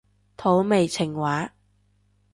土味情話